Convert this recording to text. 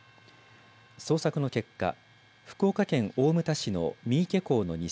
捜索の結果福岡県大牟田市の三池港の西